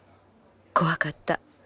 「怖かった。